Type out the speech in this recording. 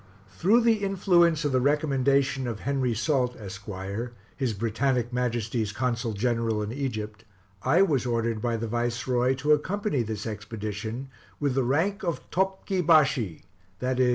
Through the influence of the recommendation of Henry Salt, Esq., His Britannic Majesty's Consul General in Egypt, I was ordered by the Viceroy to accompany this expedition, with the rank of Topgi Bashi, i.e.